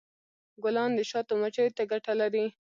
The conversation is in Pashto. ګلان د شاتو مچیو ته ګټه لري.